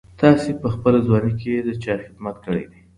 تاسي په خپله ځواني کي د چا خدمت کړی دی؟